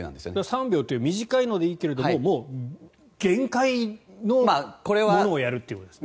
３秒という短いのでいいけれど限界のものをやるということですね。